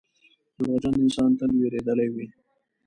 • دروغجن انسان تل وېرېدلی وي.